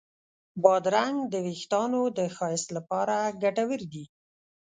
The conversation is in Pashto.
بادرنګ د وېښتانو د ښایست لپاره ګټور دی.